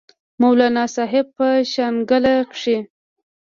مولانا صاحب پۀ شانګله کښې